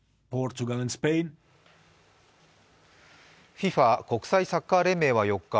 ＦＩＦＡ＝国際サッカー連盟は４日